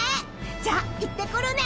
じゃあ行ってくるね。